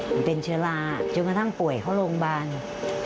มันเป็นเชื้อราจนกระทั่งป่วยเข้าโรงพยาบาล